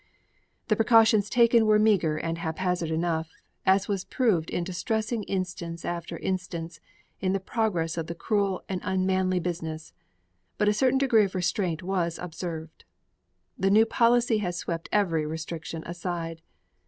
The precautions taken were meager and haphazard enough, as was proved in distressing instance after instance in the progress of the cruel and unmanly business, but a certain degree of restraint was observed. The new policy has swept every restriction aside.